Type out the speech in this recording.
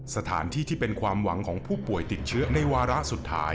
สถานที่ที่เป็นความหวังของผู้ป่วยติดเชื้อในวาระสุดท้าย